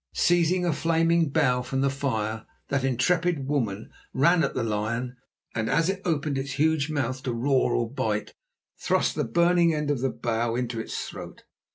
Seizing a flaming bough from the fire, that intrepid woman ran at the lion and, as it opened its huge mouth to roar or bite, thrust the burning end of the bough into its throat.